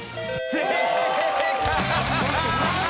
正解！